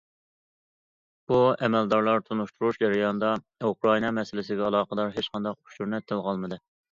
بۇ ئەمەلدارلار تونۇشتۇرۇش جەريانىدا، ئۇكرائىنا مەسىلىسىگە ئالاقىدار ھېچقانداق ئۇچۇرنى تىلغا ئالمىدى.